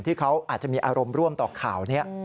ที่เขาอาจจะมีอารมณ์ร่วมต่อข่าวนี้